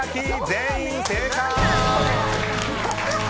全員正解！